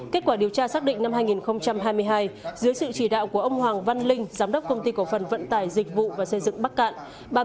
kết quả điều tra xác định năm hai nghìn hai mươi hai dưới sự chỉ đạo của ông hoàng văn linh giám đốc công ty cổ phần vận tải dịch vụ và xây dựng bắc cạn